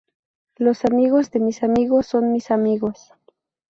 Los amigos de mis amigos son mis amigos